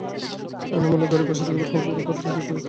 এনামুলের গাড়ি বাসা থেকে বের হওয়ার পরে তাঁরা সেটির পিছু নেন।